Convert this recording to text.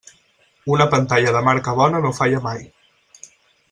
Una pantalla de marca bona no falla mai.